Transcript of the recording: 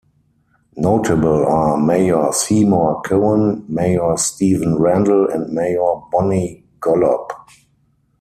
Notable are Mayor Seymour Cohen, Mayor Steven Randall and Mayor Bonnie Golub.